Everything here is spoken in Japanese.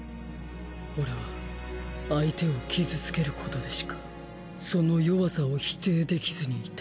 俺は相手を傷つけることでしかその弱さを否定できずにいた。